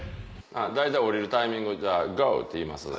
大体降りるタイミングじゃあ「ゴー」って言います。